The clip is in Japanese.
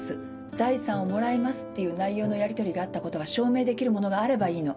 「財産をもらいます」っていう内容のやりとりがあったことが証明できる物があればいいの。